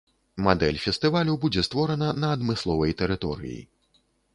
Мадэль фестывалю будзе створана на адмысловай тэрыторыі.